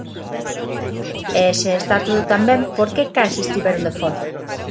E, se está todo tan ben, ¿por que case estiveron de folga?